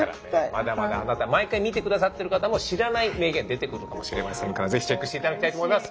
まだまだあなた毎回見て下さってる方も知らない名言出てくるかもしれませんからぜひチェックして頂きたいと思います。